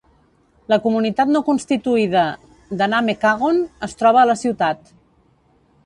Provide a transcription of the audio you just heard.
La comunitat no constituïda de Namekagon es troba a la ciutat.